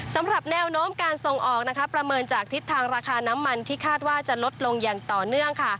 สำหรับแนวโน้มการส่งออกประเมินจากทิศทางราคาน้ำมันที่คาดว่าจะลดลงอย่างต่อเนื่องค่ะ